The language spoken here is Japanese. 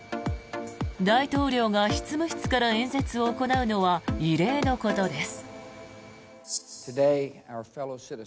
大統領が執務室から演説を行うのは異例のことです。